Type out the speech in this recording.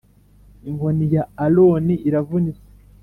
inkoni ya aroni iravunitse